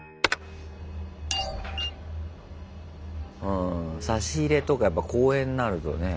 うん差し入れとかやっぱ公演なるとね。